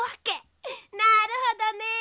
なるほどね。